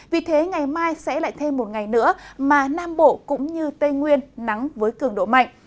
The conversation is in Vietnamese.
vì thế ngày mai sẽ lại thêm một ngày nữa mà nam bộ cũng như tây nguyên nắng với cường độ mạnh